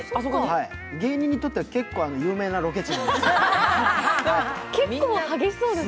芸人にとっては結構有名なロケ地なんで。